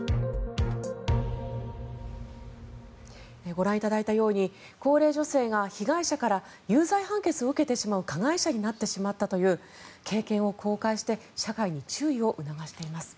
ご覧いただいたように高齢女性が被害者から有罪判決を受けてしまう加害者になってしまったという経験を公開して社会に注意を促しています。